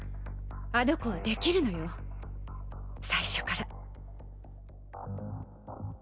あの子はできるのよ最初から。